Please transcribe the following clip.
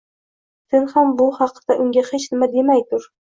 Sen ham bu hakda unga hech nima demay tur!